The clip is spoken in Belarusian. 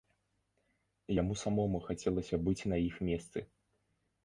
Яму самому хацелася быць на іх месцы.